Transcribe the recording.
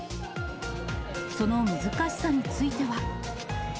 その難しさについては。